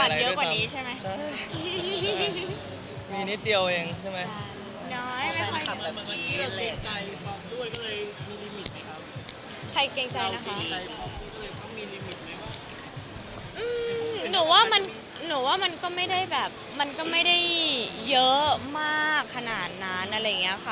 หนูว่ามันก็ไม่ได้เยอะมาก